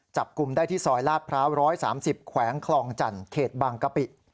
จับกลุ่มได้ที่ซอยลาดพร้าว๑๓๐แขวงคลองจันทร์เขตบางกะปิ